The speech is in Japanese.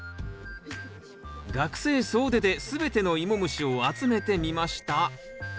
学生総出で全てのイモムシを集めてみました